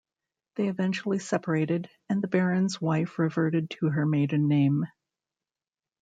They eventually separated, and the baron's wife reverted to her maiden name.